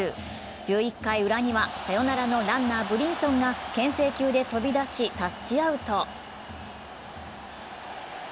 １１回ウラにはサヨナラのランナー、ブリンソンがけん制球で飛び出しタッチアウト。